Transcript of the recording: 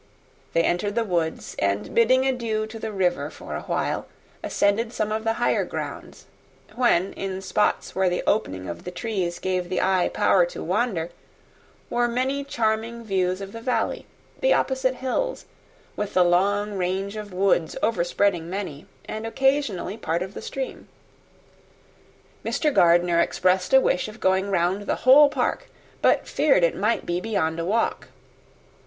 They entered the woods, and, bidding adieu to the river for a while, ascended some of the higher grounds; whence, in spots where the opening of the trees gave the eye power to wander, were many charming views of the valley, the opposite hills, with the long range of woods overspreading many, and occasionally part of the stream. Mr. Gardiner expressed a wish of going round the whole park, but feared it might be beyond a walk.